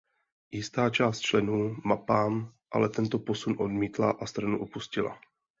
Jistá část členů Mapam ale tento posun odmítla a stranu opustila.